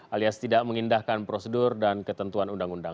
alias tidak mengindahkan prosedur dan ketentuan undang undang